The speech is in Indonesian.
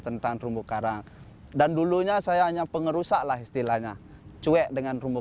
tentang rumput karang dan dulunya saya hanya pengerusaklah istilahnya cuek dengan rumput